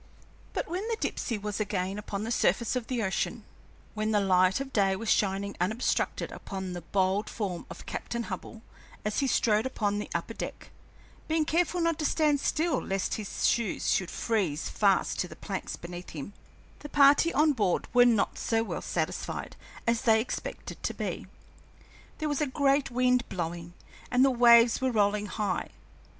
But when the Dipsey was again upon the surface of the ocean, when the light of day was shining unobstructed upon the bold form of Captain Hubbell as he strode upon the upper deck being careful not to stand still lest his shoes should freeze fast to the planks beneath him the party on board were not so well satisfied as they expected to be. There was a great wind blowing, and the waves were rolling high.